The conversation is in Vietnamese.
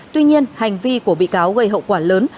tuy nhiên hành vi của bị cáo gây hậu quả lớn